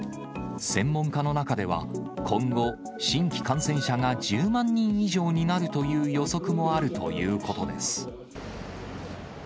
専門家の中では、今後、新規感染者が１０万人以上になるという予測もあるということです。